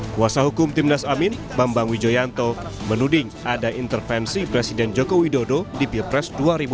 kuasa hukum timnas amin bambang wijoyanto menuding ada intervensi presiden joko widodo di pilpres dua ribu dua puluh